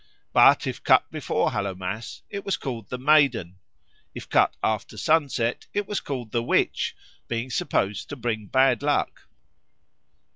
But if cut before Hallowmas, it was called the Maiden; if cut after sunset, it was called the Witch, being supposed to bring bad luck.